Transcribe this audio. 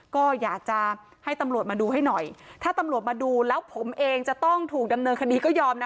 ก็อยากจะให้ตำรวจมาดูให้หน่อยถ้าตำรวจมาดูแล้วผมเองจะต้องถูกดำเนินคดีก็ยอมนะ